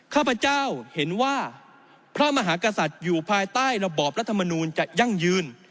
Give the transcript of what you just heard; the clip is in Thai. ข้าพเจ้าเห็นว่าพระมหากษัตริย์อยู่ภายใต้ระบอบรัฐมนูลจะยั่งยืน